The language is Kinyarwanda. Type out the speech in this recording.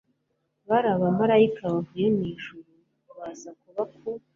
Bari abamarayika bavuye mu ijuru baza kuba ku